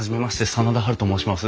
真田ハルと申します。